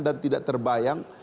dan tidak terbayang